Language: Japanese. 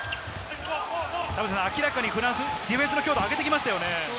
明らかにフランスはディフェンスの強度を上げてきましたね。